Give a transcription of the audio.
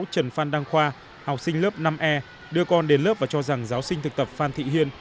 trần phan đăng khoa học sinh lớp năm e đưa con đến lớp và cho rằng giáo sinh thực tập phan thị hiên